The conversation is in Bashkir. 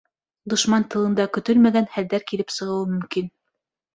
Дошман тылында көтөлмәгән хәлдәр килеп сығыуы мөмкин.